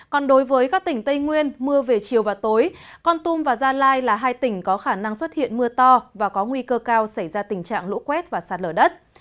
còn đối với các tỉnh tây nguyên mưa về chiều và tối con tum và gia lai là hai tỉnh có khả năng xuất hiện mưa to và có nguy cơ cao xảy ra tình trạng lũ quét và sạt lở đất